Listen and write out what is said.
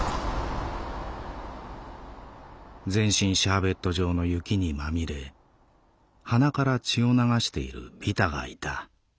「全身シャーベット状の雪にまみれ鼻から血を流しているビタがいた。